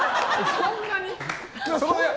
そんなに？